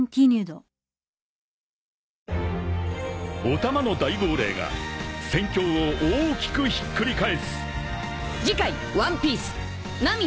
［お玉の大号令が戦況を大きくひっくり返す］